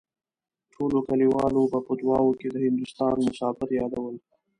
ټولو کليوالو به په دعاوو کې د هندوستان مسافر يادول.